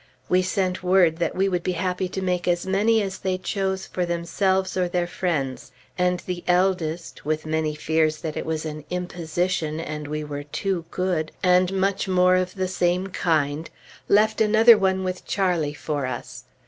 We sent word that we would be happy to make as many as they chose for themselves or their friends, and the eldest, with many fears that it was an "imposition" and we were "too good," and much more of the same kind, left another one with Charlie for us.